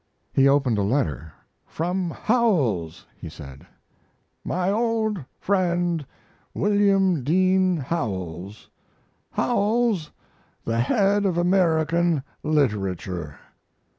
He opened a letter. "From Howells," he said. My old friend, William Dean Howells Howells, the head of American literature.